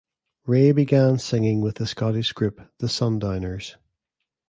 Ray began singing with the Scottish Group the Sundowners.